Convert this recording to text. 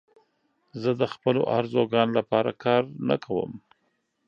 زه د خپلو آرزوګانو لپاره کار نه کوم.